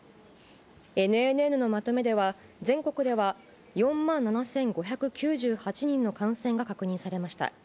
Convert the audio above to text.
ＮＮＮのまとめでは、全国では４万７５９８人の感染が確認されました。